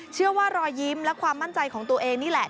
รอยยิ้มและความมั่นใจของตัวเองนี่แหละ